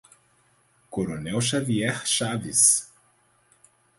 Coronel Xavier Chaves